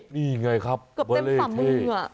นี่ไงครับเวลาเท่